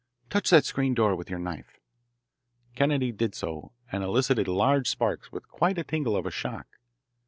Touch that screen door with your knife." Kennedy did so, and elicited large sparks with quite a tingle of a shock.